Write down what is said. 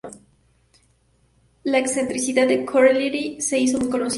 La excentricidad de Corelli se hizo muy conocida.